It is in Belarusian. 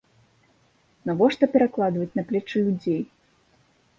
Навошта перакладваць на плечы людзей.